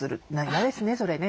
嫌ですねそれね。